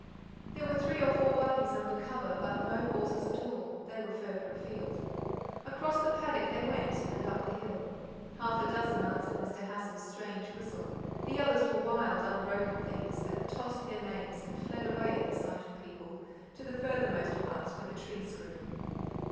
There were three or four buggies under cover, but no horses at all, they were farther afield. Across the paddock they went, and up the hill. Half a dozen answered Mr. Hassal's strange whistle; the others were wild, unbroken things, that tossed their manes and fled away at the sight of people to the farthermost parts where the trees grew.